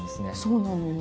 そうなのよ